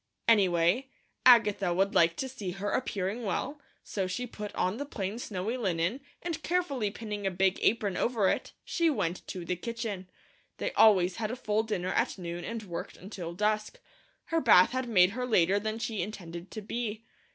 Anyway, Agatha would like to see her appearing well, so she put on the plain snowy linen, and carefully pinning a big apron over it, she went to the kitchen. They always had a full dinner at noon and worked until dusk. Her bath had made her later than she intended to be.